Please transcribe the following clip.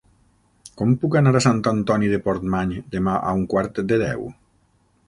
Com puc anar a Sant Antoni de Portmany demà a un quart de deu?